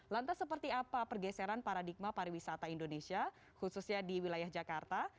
lantas seperti apa pergeseran paradigma pariwisata indonesia khususnya di wilayah jakarta